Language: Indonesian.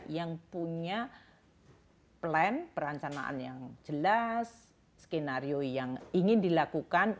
yang punya plan perancanaan yang jelas skenario yang ingin dilakukan